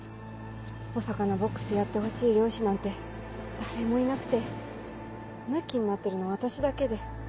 お魚ボックスやってほしい漁師なんて誰もいなくてムキになってるの私だけで。